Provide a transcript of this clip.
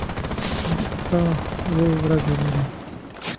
هفته اووه ورځې لري